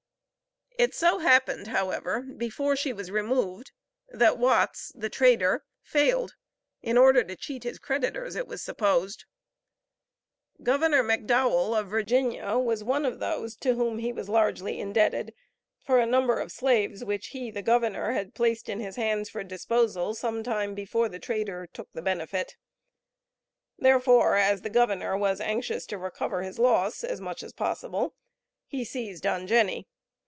It so happened, however, before she was removed that Watts, the trader, failed in order to cheat his creditors it was supposed. Governor McDowell, of Virginia, was one of those to whom he was largely indebted for a number of slaves which he, the Governor, had placed in his hands for disposal, some time before the trader took the benefit. Therefore, as the Governor was anxious to recover his loss as much as possible, he seized on Jenny.